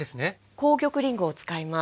紅玉りんごを使います。